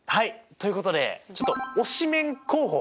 ということでちょっと推しメン候補